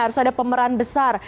harus ada pemeran besar